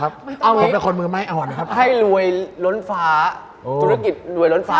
แล้วก็สามารถเปลี่ยนแปลงผู้ชายคนนี้ให้เป็นคนใหม่ได้รวมไปถึงคุณก๊อฟและคุณผู้ชมด้วยนะฮะ